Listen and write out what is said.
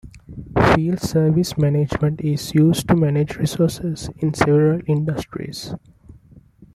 Field service management is used to manage resources in several industries.